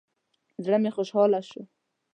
زړه مې خوشحاله شو.